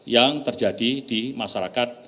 yang terjadi di masyarakat